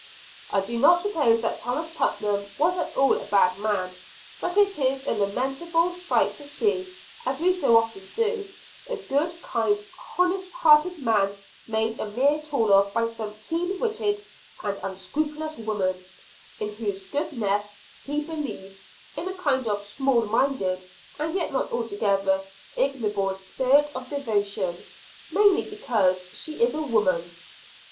I do not suppose that Thomas Putnam was at all a bad man, but it is a lamentable sight to see, as we so often do, a good kind honest hearted man made a mere tool of by some keen witted and unscrupulous woman; in whose goodness he believes, in a kind of small minded and yet not altogether ignoble spirit of devotion, mainly because she is a woman.